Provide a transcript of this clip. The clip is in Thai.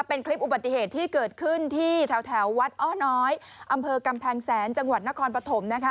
เป็นคลิปอุบัติเหตุที่เกิดขึ้นที่แถววัดอ้อน้อยอำเภอกำแพงแสนจังหวัดนครปฐมนะคะ